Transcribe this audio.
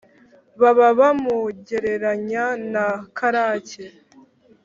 baba bamugereranya na karake